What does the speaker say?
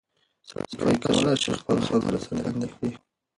سړی کولی شي خپله خبره څرګنده کړي.